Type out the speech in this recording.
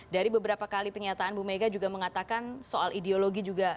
dari beberapa kali pernyataan bu mega juga mengatakan soal ideologi juga